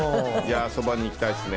そばに行きたいですね。